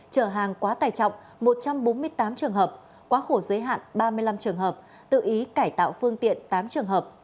trở hàng quá tài trọng một trăm bốn mươi tám trường hợp quá khổ giới hạn ba mươi năm trường hợp tự ý cải tạo phương tiện tám trường hợp